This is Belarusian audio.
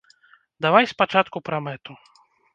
Давай спачатку пра мэту!